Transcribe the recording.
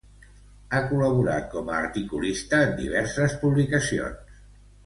Ha col·laborat com a articulista en diverses publicacions.